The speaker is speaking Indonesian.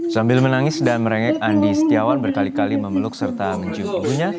sambil menangis dan merengek andi setiawan berkali kali memeluk serta mencium ibunya